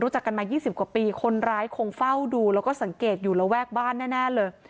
กันมา๒๐กว่าปีคนร้ายคงเฝ้าดูแล้วก็สังเกตอยู่ระแวกบ้านแน่เลย